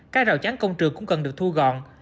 các rào chắn công trường cũng cần được thu gọn